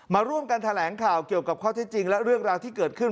มาร่วมกันแถลงข่าวเกี่ยวกับข้อเท็จจริงและเรื่องราวที่เกิดขึ้น